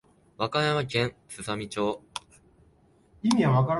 和歌山県すさみ町